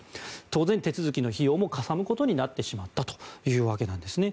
当然、手続きの費用もかさむことになってしまったというわけなんですね。